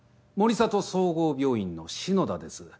杜郷総合病院の篠田です。